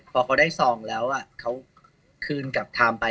พอเขาได้ซองแล้วเขาคืนกลับไทม์ไป